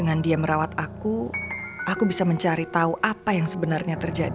padahal pas mushrooms itu bergurau